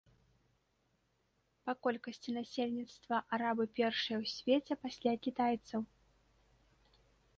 Па колькасці насельніцтва арабы першыя ў свеце пасля кітайцаў.